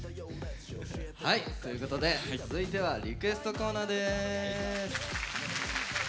はいということで続いてはリクエストコーナーです。